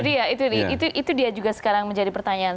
nah itu dia itu dia juga sekarang menjadi pertanyaan